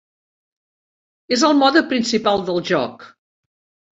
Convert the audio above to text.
És el mode principal del joc.